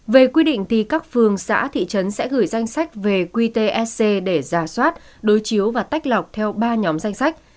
về quy định thì các phường xã thị trấn sẽ gửi danh sách về qtsc để giả soát đối chiếu và tách lọc theo ba nhóm danh sách